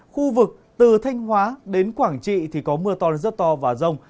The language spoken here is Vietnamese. khu vực từ thanh hóa đến quảng trị thì có mưa to đến rất to và rông